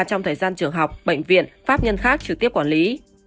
trong thời gian trường học bệnh viện pháp nhân khác trực tiếp quản lý